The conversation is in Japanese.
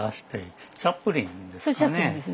それチャップリンですね。